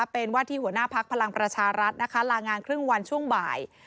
เป็นว่าที่หัวหน้าพักพลังประชารัฐนะคะลางานครึ่งวันช่วงบ่าย